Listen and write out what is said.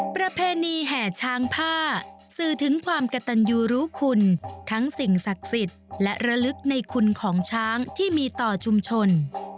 ประเพณีแห่ช้างผ้าสื่อถึงความกระตันยูรู้คุณทั้งสิ่งศักดิ์สิทธิ์และระลึกในคุณของช้างที่มีต่อชุมชน